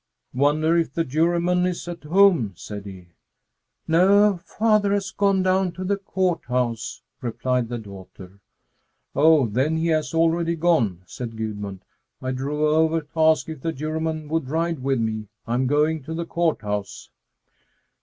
"Wonder if the Juryman is at home?" said he. "No, father has gone down to the Court House," replied the daughter. "Oh, then he has already gone," said Gudmund. "I drove over to ask if the Juryman would ride with me. I'm going to the Court House."